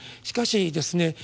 しかしですね